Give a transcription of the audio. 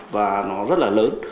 và nó rất là lớn